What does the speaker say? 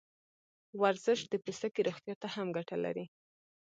ورزش د پوستکي روغتیا ته هم ګټه لري.